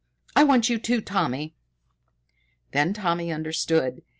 I want you too, Tommy!" Then Tommy understood.